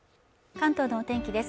関東のお天気です